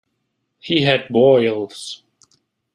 He had boils.